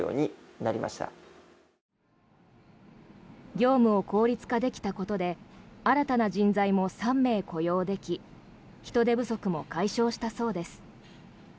業務を効率化できたことで新たな人材も３名雇用でき人手不足も解消したそうです。